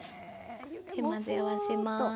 混ぜ合わせます。